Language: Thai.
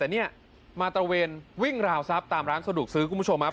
แต่เนี่ยมาตระเวนวิ่งราวทรัพย์ตามร้านสะดวกซื้อคุณผู้ชมครับ